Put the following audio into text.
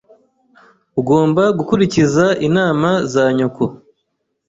Ugomba gukurikiza inama za nyoko.